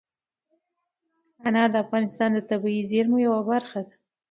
انار د افغانستان د طبیعي زیرمو یوه ډېره مهمه برخه ده.